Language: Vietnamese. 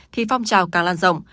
thì phong trào càng lan rộng